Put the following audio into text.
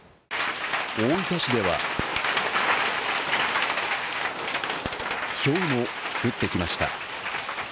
大分市ではひょうも降ってきました。